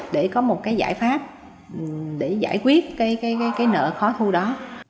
để có một giải pháp để giải quyết cái nợ khó thu đó